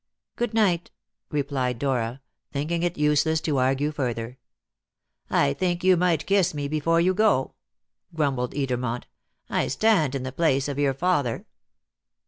"Good night," replied Dora, thinking it useless to argue further. "I think you might kiss me before you go," grumbled Edermont. "I stand in the place of your father."